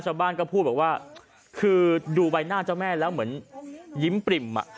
ชาวบ้านก็พูดบอกว่าคือดูใบหน้าเจ้าแม่แล้วเหมือนยิ้มปริ่มอ่ะ